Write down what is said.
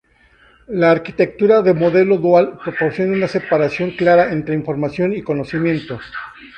La arquitectura de Modelo Dual proporciona una separación clara entre información y conocimiento.